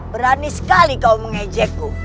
berani sekali kau mengejekku